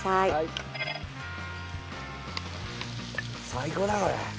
最高だこれ。